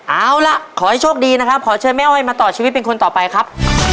เอาล่ะขอให้โชคดีนะครับขอเชิญแม่อ้อยมาต่อชีวิตเป็นคนต่อไปครับ